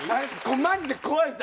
マジで怖いです